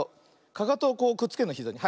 かかとをこうくっつけるのひざに。